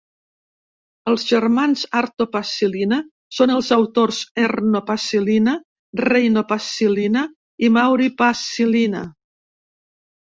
Els germans Arto Paasilinna són els autors Erno Paasilinna, Reino Paasilinna i Mauri Paasilinna.